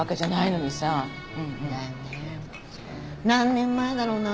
何年前だろうな？